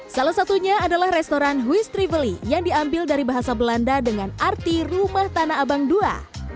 salah satunya adalah restoran huis trively yang diambil dari bahasa belanda dengan arti rumah tanah abang ii